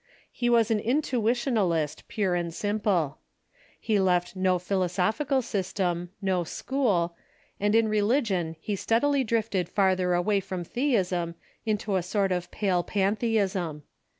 He was an intuitionalist pure and simple. He left no philosophical system, no school, and in religion he steadily drifted farther away from theism to a THE TRANSCENDENTALISTS 577 sort of pale pantheism.